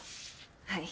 はい。